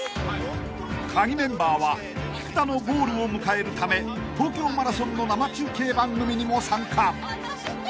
［カギメンバーは菊田のゴールを迎えるため東京マラソンの生中継番組にも参加］